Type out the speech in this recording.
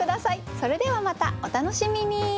それではまたお楽しみに。